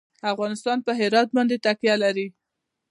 افغانستان په هرات باندې تکیه لري.